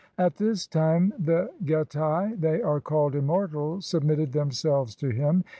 At this time the Getae, that are called Immortal, sub mitted themselves to him.